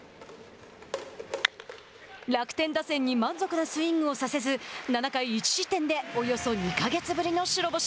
楽天打線に満足なスイングをさせず７回１失点でおよそ２か月ぶりの白星。